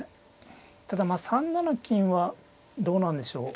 ただまあ３七金はどうなんでしょう。